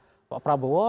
di situ kan ada pak prabowo